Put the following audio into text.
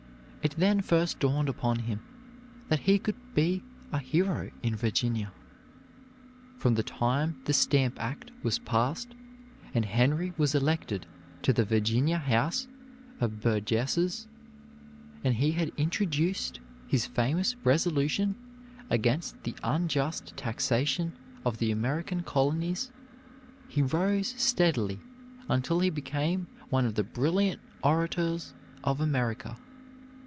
It then first dawned upon him that he could be a hero in Virginia. From the time the Stamp Act was passed and Henry was elected to the Virginia House of Burgesses, and he had introduced his famous resolution against the unjust taxation of the American colonies, he rose steadily until he became one of the brilliant orators of America.